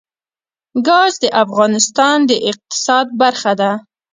ګاز د افغانستان د اقتصاد برخه ده.